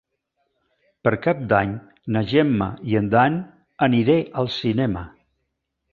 Per Cap d'Any na Gemma i en Dan aniré al cinema.